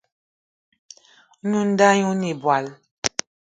Nwǐ nda ɲî oné̂ ìbwal